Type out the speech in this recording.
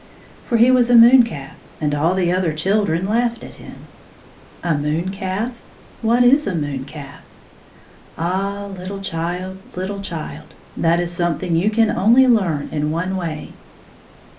For he was a moon calf, and all the other children laughed at him A moon calf? What is a moon calf? Ah, little child, little child ! that is something you can only learn in one way.